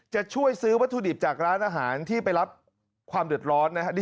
จะช่วยซื้อวัตถุดิบจากร้านอาหารที่ไปรับความเดือดร้อนนะครับ